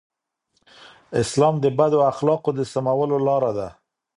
اسلام د بدو اخلاقو د سمولو لاره ده.